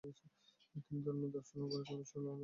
তিনি ধর্মীয় দর্শন, গণিত ও অশ্ববিজ্ঞানের উপর পড়াশোনা করেন।